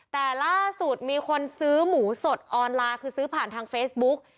แต่ล่าสุดมีคนซื้อหมูสดออนไลน์คือซื้อผ่านทางเฟซบุ๊ก